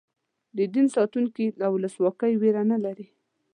د دین ساتونکي له ولسواکۍ وېره نه لري.